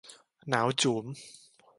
หนาวจู๋ม